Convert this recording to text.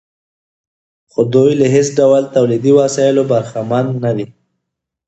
خو دوی له هېڅ ډول تولیدي وسایلو برخمن نه دي